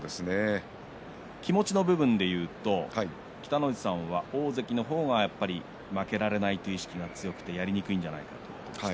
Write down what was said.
気持ちの部分でいうと北の富士さんは、大関の方が負けられないという意識が強くてやりにくいんじゃないかとおっしゃっていました。